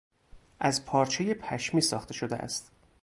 از پارچهی پشمی ساخته شده است.